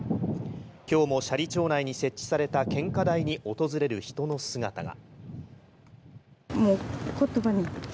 今日も斜里町内に設置された献花台に訪れる人の姿が。